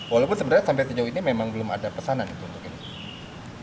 walaupun sebenarnya sampai sejauh ini memang belum ada pesanan untuk ini